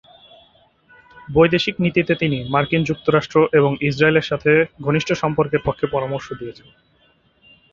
বৈদেশিক নীতিতে তিনি মার্কিন যুক্তরাষ্ট্র এবং ইসরায়েলের সাথে ঘনিষ্ঠ সম্পর্কের পক্ষে পরামর্শ দিয়েছেন।